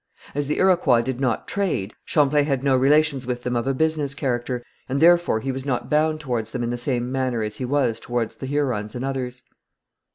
As the Iroquois did not trade, Champlain had no relations with them of a business character, and therefore he was not bound towards them in the same manner as he was towards the Hurons and others.